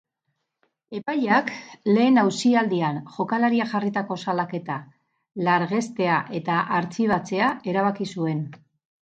Epaileak, lehen auzialdian, jokalariak jarritako salaketa largestea eta artxibatzea erabaki zuen.